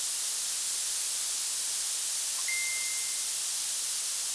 Llegó a Tarragona con su padre, cuando fue nombrado príncipe de Tarragona.